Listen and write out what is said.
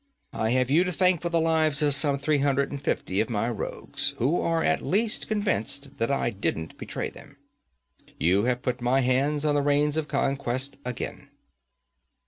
'I have you to thank for the lives of some three hundred and fifty of my rogues, who are at least convinced that I didn't betray them. You have put my hands on the reins of conquest again.'